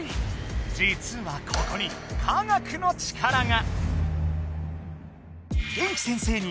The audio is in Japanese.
じつはここに科学の力が。